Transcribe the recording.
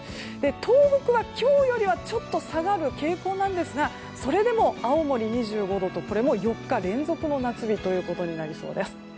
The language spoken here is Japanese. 東北は今日よりちょっと下がる傾向ですが青森、２５度とこれも４日連続の夏日となりそうです。